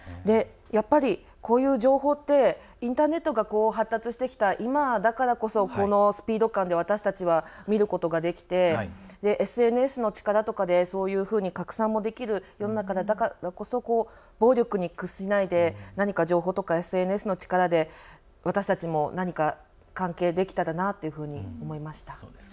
やっぱり、こういう情報ってインターネットが発達してきた今だからこそこのスピード感で私たちは見ることができてＳＮＳの力とかでそういうふうに拡散もできる世の中だからこそ暴力に屈しないで何か情報とか、ＳＮＳの力で私たちも何か関係できたらなというふうに思いました。